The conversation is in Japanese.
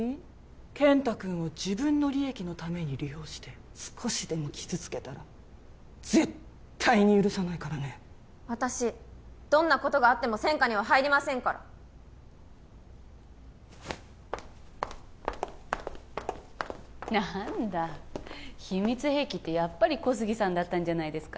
健太君を自分の利益のために利用して少しでも傷つけたら絶対に許さないからね私どんなことがあっても専科には入りませんから何だ秘密兵器ってやっぱり小杉さんだったんじゃないですか